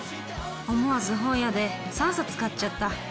思わず本屋で３冊買っちゃった。